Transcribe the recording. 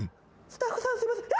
スタッフさんすいません。